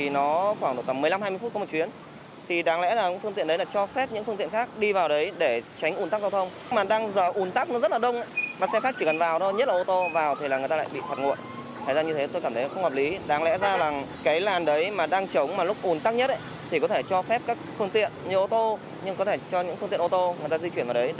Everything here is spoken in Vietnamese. nên cho các phương tiện khác đi vào theo cái khung giờ cao điểm